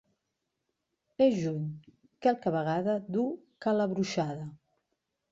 Es juny qualque vegada du calabruixada.